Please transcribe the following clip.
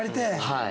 はい。